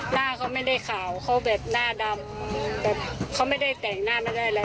หน้าเขาไม่ได้ขาวเขาแบบหน้าดำแบบเขาไม่ได้แต่งหน้าไม่ได้อะไร